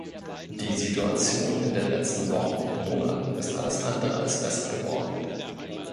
Die Situation in den letzten Wochen und Monaten ist alles andere als besser geworden.